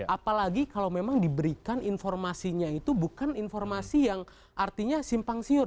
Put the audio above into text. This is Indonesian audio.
apalagi kalau memang diberikan informasinya itu bukan informasi yang artinya simpang siur